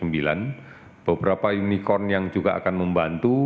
beberapa unicorn yang juga akan membantu